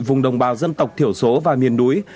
vùng đồng bào dân tộc thiểu số và miền núi